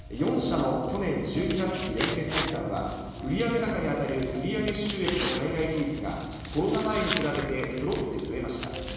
４社の去年１２月期連結決算は、売上高に当たる売り上げ収益の海外比率が、コロナ前に比べてそろって増えました。